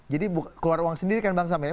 jadi keluar uang sendiri kan bang sam ya